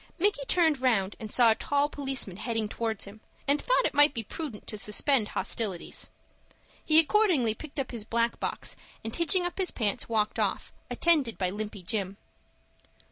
Micky turned round and saw a tall policeman heading towards him, and thought it might be prudent to suspend hostilities. He accordingly picked up his black box, and, hitching up his pants, walked off, attended by Limpy Jim.